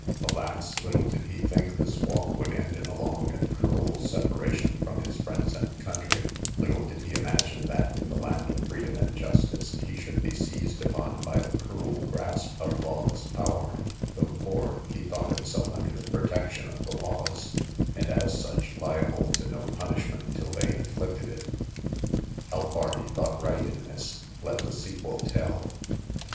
Alas! little did he think this walk would end in a long and cruel separation from his friends and country; little did he imagine, that, in the land of freedom and justice, he should be seized upon by the cruel grasp of lawless power: though poor, he thought himself under the protection of the laws, and, as such, liable to no punishment till they inflicted it. How far he thought right in this, let the sequel tell.